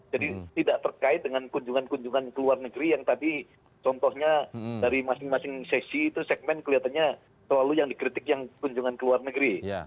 tidak terkait dengan kunjungan kunjungan ke luar negeri yang tadi contohnya dari masing masing sesi itu segmen kelihatannya selalu yang dikritik yang kunjungan ke luar negeri